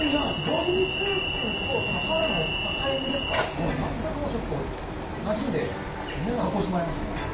ボディースーツと肌の境目ですか、全くもうちょっとなじんで加工してもらいましたね。